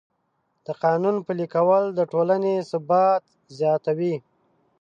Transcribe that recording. د قانون پلي کول د ټولنې ثبات زیاتوي.